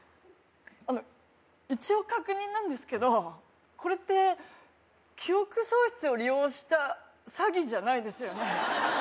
あの一応確認なんですけどこれって記憶喪失を利用した詐欺じゃないですよね？